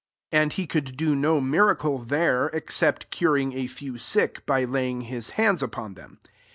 5 And he could do no miracle there, except curing a few sick, by laying his hands upon them.